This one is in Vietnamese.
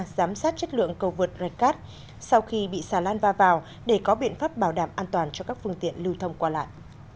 giám sát chất lượng cầu vượt red cat sau khi bị xà lan va vào để có biện pháp bảo đảm an toàn cho các phương tiện lưu thông qua lại